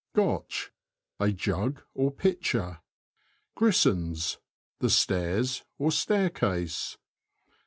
GOTCH. — A jug or pitcher. Grissons. — The stairs or staircase.